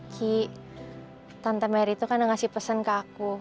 ki tante meri tuh kan udah ngasih pesen ke aku